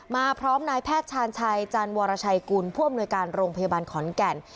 พร้อมนายแพทย์ชาญชัยจันวรชัยกุลผู้อำนวยการโรงพยาบาลขอนแก่น